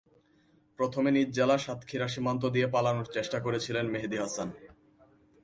প্রথমে নিজ জেলা সাতক্ষীরা সীমান্ত দিয়ে পালানোর চেষ্টা করেছিলেন মেহেদি হাসান।